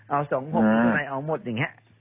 เอา๒๖ทำไมเอาหมดอย่างนี้